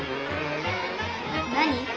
何？